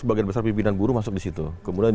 sebagian besar pimpinan buruh masuk disitu kemudian